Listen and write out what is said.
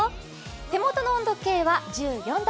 手元の温度計は１４度。